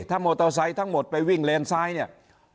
ถ้ามอเตอร์ไซค์ทั้งหมดไปวิ่งเลนซ้ายเนี่ย